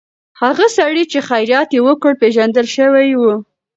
هغه سړی چې خیرات یې وکړ، پېژندل شوی و.